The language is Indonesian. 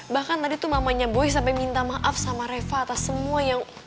bahkan tadi tuh mamanya boy sampai minta maaf sama reva atas semua yang